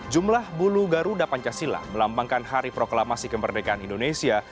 jumlah bulu garuda pancasila melambangkan hari proklamasi kemerdekaan indonesia